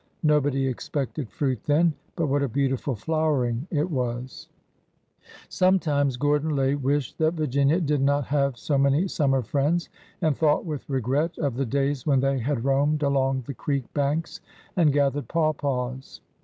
Nobody expected fruit then. But what a beautiful flowering it was ! Sometimes Gordon Lay wished that Virginia did not have so many summer friends, and thought with regret of the days when they had roamed along the creek banks and gathered pawpaws.